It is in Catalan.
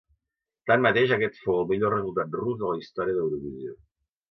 Tanmateix aquest fou el millor resultat rus de la història d'Eurovisió.